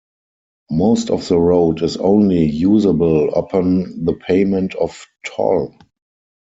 Most of the road is only usable upon the payment of toll.